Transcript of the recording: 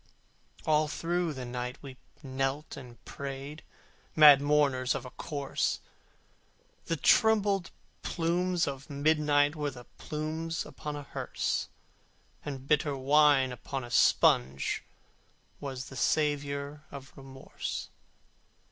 All through the night we knelt and prayed, Mad mourners of a corse! The troubled plumes of midnight shook Like the plumes upon a hearse: And as bitter wine upon a sponge Was the savour of Remorse.